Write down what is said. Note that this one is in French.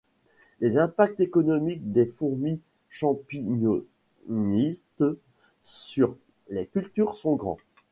Les impacts économiques des fourmis champignonnistes sur les cultures sont grands.